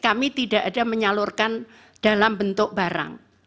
kami tidak ada menyalurkan dalam bentuk barang